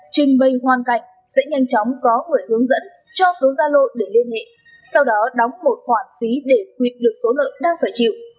trình bày hoàn cảnh sẽ nhanh chóng có người hướng dẫn cho số gia lộ để liên hệ sau đó đóng một khoản phí để quyệt được số lợn đang phải chịu